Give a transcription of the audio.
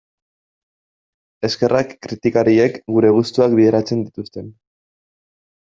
Eskerrak kritikariek gure gustuak bideratzen dituzten...